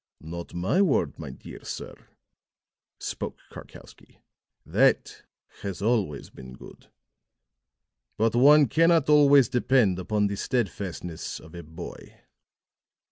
"Not my word, my dear sir," spoke Karkowsky. "That has always been good. But one cannot always depend upon the steadfastness of a boy."